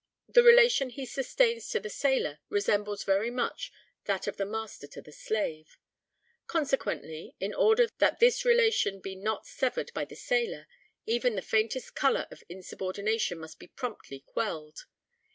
The relation he sustains to the sailor resembles very much that of the master to the slave. Consequently, in order that this relation be not severed by the sailor, even the faintest color of insubordination must be promptly quelled.